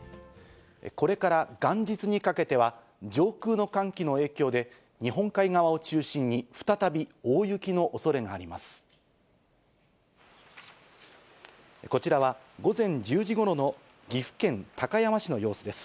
これから元日にかけては、上空の寒気の影響で日本海側を中心に再び大雪のおそれがあります。